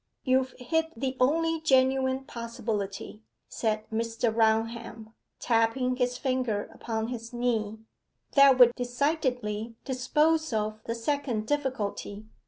'You've hit the only genuine possibility,' said Mr. Raunham, tapping his finger upon his knee. 'That would decidedly dispose of the second difficulty.